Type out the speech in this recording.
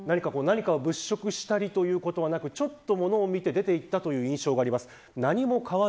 何かを物色したりということはなくちょっと物を見て出ていった印象があります。